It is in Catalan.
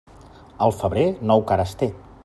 El febrer, nou cares té.